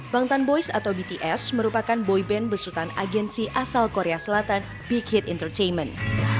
bangtan boys atau bts merupakan boy band besutan agensi asal korea selatan big hit entertainment